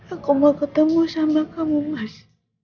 aku mau ketemu sama kamu mas